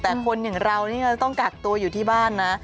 แต่คนอย่างเรานี่ก็ต้องกักตัวอยู่ที่บ้านนะ